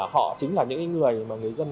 họ chính là những người mà người dân